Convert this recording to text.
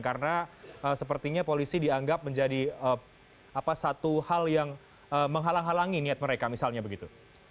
karena sepertinya polisi dianggap menjadi satu hal yang menghalang halangi niat mereka misalnya begitu